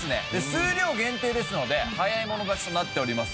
数量限定ですので早い者勝ちとなっております。